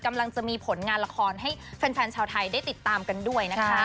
กำลังจะมีผลงานละครให้แฟนชาวไทยได้ติดตามกันด้วยนะคะ